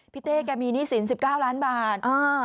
เต้แกมีหนี้สิน๑๙ล้านบาท